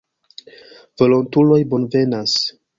Volontuloj bonvenas.